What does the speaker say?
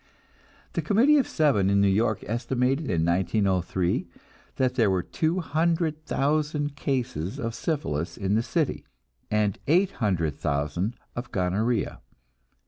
The Committee of Seven in New York estimated in 1903 that there were two hundred thousand cases of syphilis in the city, and eight hundred thousand of gonorrhea.